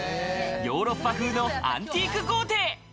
ヨーロッパ風のアンティーク豪邸。